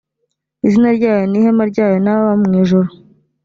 izina ryayo n ihema ryayo n ababa mu ijuru